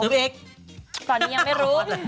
ซึ้บเอกตอนนี้ยังไม่รู้